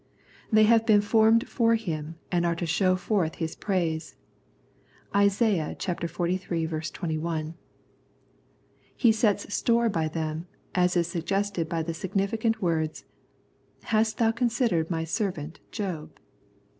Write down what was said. They have been formed for Him and are to show forth His praise (Isa. xliii. 21). He sets store by them, as is suggested by the significant words, " Hast thou considered My servant Job